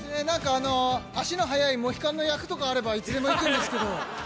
足の速いモヒカンの役とかあれば、いつでも行くんですけど。